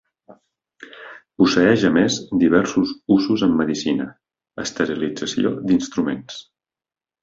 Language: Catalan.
Posseeix a més diversos usos en medicina, esterilització d'instruments.